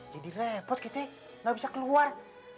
jadi repot gitu ya gak bisa keluar